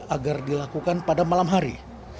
agar dilakukan pada malam hari